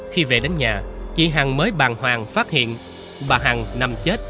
khi về đến nhà chị hàng mới bàn hoàng phát hiện bà hàng nằm chết